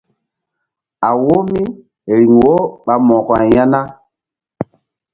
A wo míriŋ wo ɓa mo̧ko-ay ya na?